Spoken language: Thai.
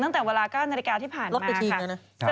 ตั้งแต่เวลากั้นนาฬิกาที่ผ่านมาค่ะ